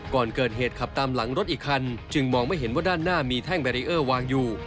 ก่อนเกิดเหตุขับตามหลังรถอีกคันจึงมองไม่เห็นว่าด้านหน้ามีแท่งแบรีเออร์วางอยู่